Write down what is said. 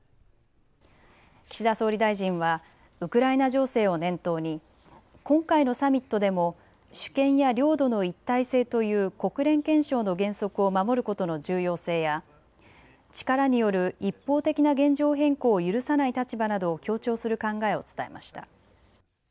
岸田総理大臣はウクライナ情勢を念頭に今回のサミットでも主権や領土の一体性という国連憲章の原則を守ることの重要性や力による一方的な現状変更を許さない立場などを強調する考えを伝えました。